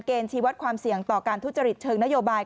ชีวัตรความเสี่ยงต่อการทุจริตเชิงนโยบาย